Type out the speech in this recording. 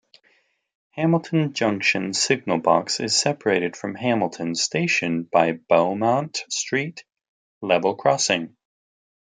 Hamilton Junction Signal Box is separated from Hamilton station by Beaumont Street level crossing.